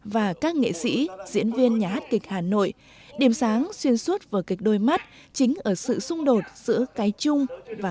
bác sĩ ơi bác sĩ ơi liệu đồng chí có sao không ạ